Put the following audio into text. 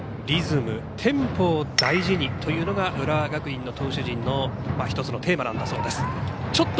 リズム、テンポを大事にというのが浦和学院の投手陣の１つのテーマなんだそうです。